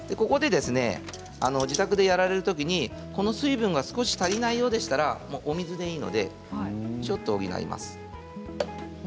自宅でやられるときにこの水分が少し足りないようでしたらお水でいいのでちょっと補います。